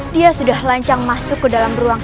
dia sudah lancang masuk ke dalam ruang